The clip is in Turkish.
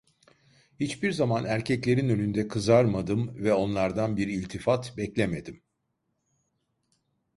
Hiçbir zaman erkeklerin önünde kızarmadım ve onlardan bir iltifat beklemedim.